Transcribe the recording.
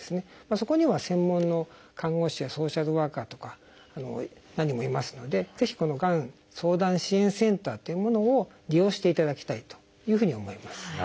そこには専門の看護師やソーシャルワーカーとか何人もいますのでぜひこのがん相談支援センターというものを利用していただきたいというふうに思います。